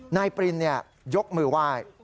นายปรินยกมือไหว้